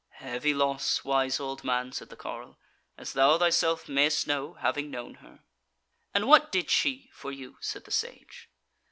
"Heavy loss, wise old man," said the carle, "as thou thyself mayst know, having known her." "And what did she for you?" said the Sage.